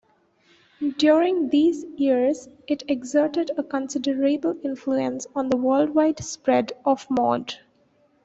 During these years, it exerted a considerable influence on the worldwide spread of mod.